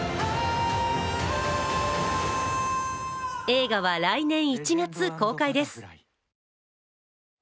映画は来年１月公開です。